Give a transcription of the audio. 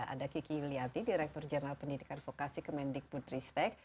ada kiki yuliati direktur jurnal pendidikan fokasi kemendik putri stek